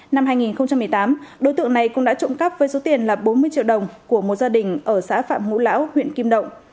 năm hai nghìn một mươi tám đối tượng này cũng đã trộm cắp với số tiền là bốn mươi triệu đồng của một gia đình ở xã phạm ngũ lão huyện kim động